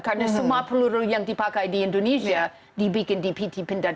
karena semua peluru yang dipakai di indonesia dibikin di pt pindad